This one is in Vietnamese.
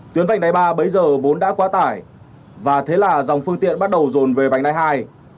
tuyến vành đai ba bấy giờ vốn đã quá tải và thế là dòng phương tiện bắt đầu rồn về vành đai hai